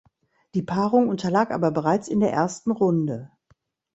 Die Paarung unterlag aber bereits in der ersten Runde.